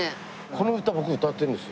この歌僕歌ってるんですよ。